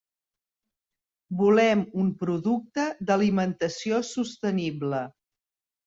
Volem un producte d'alimentació sostenible.